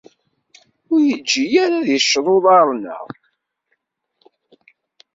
Ur iǧǧi ara ad icceḍ uḍar-nneɣ.